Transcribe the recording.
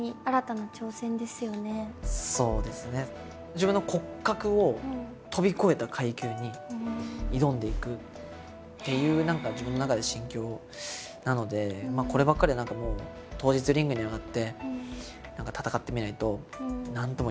自分の骨格を飛び越えた階級に挑んでいくっていう自分の中で心境なのでこればっかりは何かもう当日リングに上がって戦ってみないと何とも言えないなっていう領域にはきてるかなと。